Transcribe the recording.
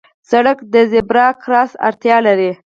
سړک د زېبرا کراس اړتیا لري.